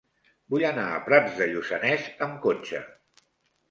Vull anar a Prats de Lluçanès amb cotxe.